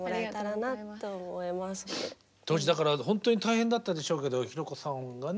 当時だからほんとに大変だったでしょうけど寛子さんがね